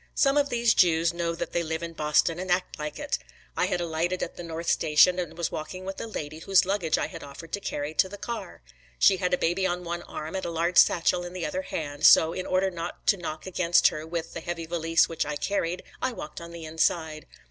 Some of these Jews know that they live in Boston and act like it. I had alighted at the North Station and was walking with a lady whose luggage I had offered to carry to the car. She had a baby on one arm and a large satchel in the other hand, so in order not to knock against her with the heavy valise which I carried, I walked on the inside.